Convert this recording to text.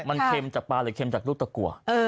มันเค็มจากปลาหรือเค็มจากลูกตะกัว